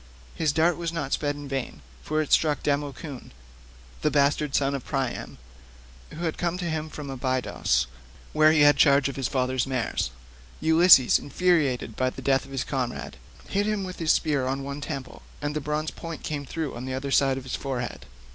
His dart was not sped in vain, for it struck Democoon, the bastard son of Priam, who had come to him from Abydos, where he had charge of his father's mares. Ulysses, infuriated by the death of his comrade, hit him with his spear on one temple, and the bronze point came through on the other side of his forehead.